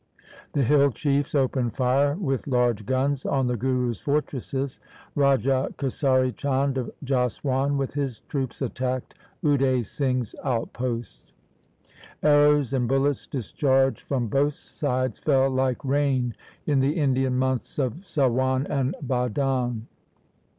The hill chiefs opened fire with large guns on the Guru's fortresses. Raja Kesari Chand of Jaswan with his troops attacked Ude Singh's outposts. Arrows and bullets discharged from both sides fell like rain in the Indian months of Sawan and Bhadon.